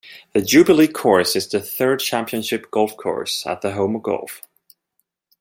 The Jubilee Course is the third championship golf course at the Home of Golf.